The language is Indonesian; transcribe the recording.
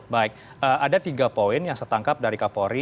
baik ada tiga poin yang setangkap dari kapolri